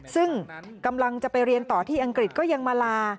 ซึ่งกำลังจะไปเรียนต่อที่อังกฤษก็ยังมาลา